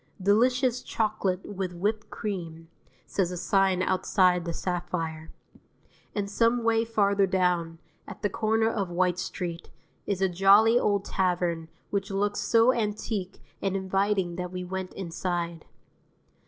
"Delicious Chocolate with Whipped Cream," says a sign outside the Sapphire. And some way farther down (at the corner of White Street) is a jolly old tavern which looked so antique and inviting that we went inside.